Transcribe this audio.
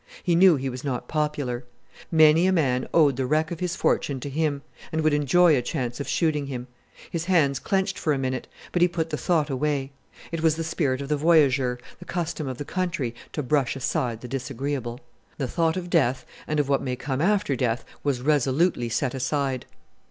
He knew he was not popular. Many a man owed the wreck of his fortune to him, and would enjoy a chance of shooting him. His hands clenched for a minute, but he put the thought away. It was the spirit of the voyageur, the custom of the country, to brush aside the disagreeable. The thought of death and of what may come after death was resolutely set aside.